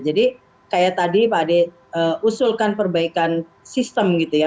jadi kayak tadi pak ade usulkan perbaikan sistem gitu ya